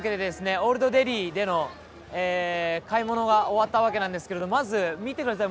オールドデリーでの買い物が終わったわけなんですけれどまず見て下さい。